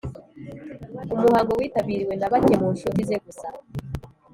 umuhango witabiriwe na bake mu nshuti ze gusa